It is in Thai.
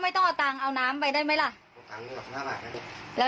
เอาตังไปทำอะไร